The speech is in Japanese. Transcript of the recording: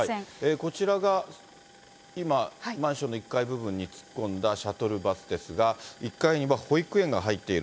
こちらが今、マンションの１階部分に突っ込んだシャトルバスですが、１階には保育園が入っている。